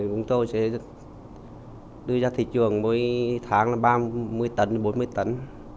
công ty tôi sẽ đưa ra thị trường mỗi tháng là ba mươi tấn bốn mươi tấn